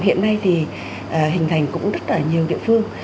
hiện nay thì hình thành cũng rất là nhiều địa phương